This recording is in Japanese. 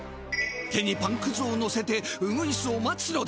手にパンくずをのせてウグイスを待つのだ。